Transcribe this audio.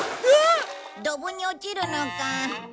ドブに落ちるのか。